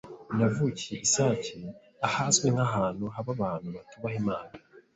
navukiye isake ahazwi nk’ahantu haba abantu batubaha Imana,